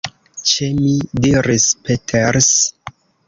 Ĉe mi, diris Peters.